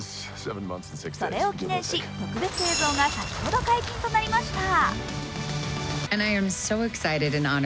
それを記念し、特別映像が先ほど解禁となりました。